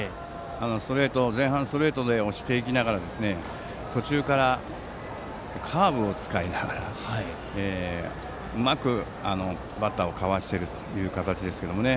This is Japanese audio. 前半、ストレートで押していきながら途中から、カーブを使いながらうまくバッターをかわしているという形ですけどね